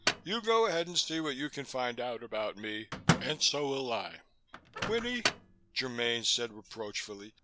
You go ahead and see what you can find out about me, and so will I." "Winnie," Germaine said reproachfully.